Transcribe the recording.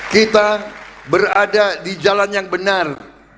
kita berada di jalan yang benar